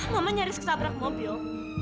mama nyaris ketabrak mobil